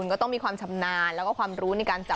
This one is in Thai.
ก็ต้องมีความชำนาญแล้วก็ความรู้ในการจัด